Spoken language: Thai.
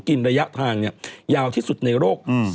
กินระยะทางเนี่ยยาวที่สุดในโลก